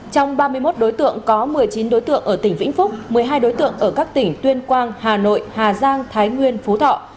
trong ba mươi một đối tượng có một mươi chín đối tượng ở tỉnh vĩnh phúc một mươi hai đối tượng ở các tỉnh tuyên quang hà nội hà giang thái nguyên phú thọ